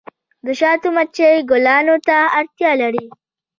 د شاتو مچۍ ګلانو ته اړتیا لري